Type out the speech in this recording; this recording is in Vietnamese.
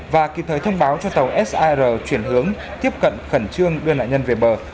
và kịp thời thông báo cho tàu sir chuyển hướng tiếp cận khẩn trương đưa nạn nhân về bờ